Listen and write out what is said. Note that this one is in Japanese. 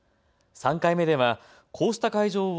３回目では、こうした会場を